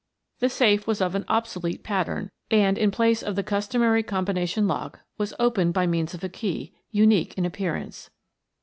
The safe was of an obsolete pattern and in place of the customary combination lock, was opened by means of a key, unique in appearance.